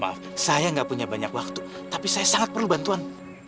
maaf saya gak punya banyak waktu tapi saya sangat perlu bantuan